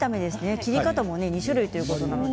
切り方も２種類ということなので。